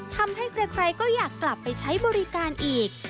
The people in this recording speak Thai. ทำให้ใครก็อยากกลับไปใช้บริการอีก